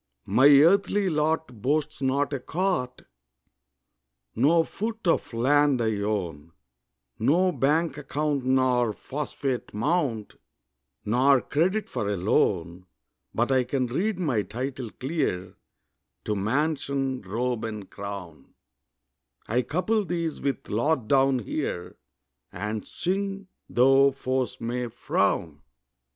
My earthly lot boasts not a cot, No foot of land I own, No bank account nor phosphate mount, Nor credit for a loan; But I can read my title clear To mansion, robe, and crown; I couple these with lot down here, And sing, tho' foes may frown.